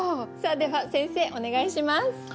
では先生お願いします。